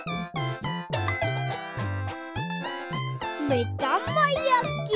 めだまやき！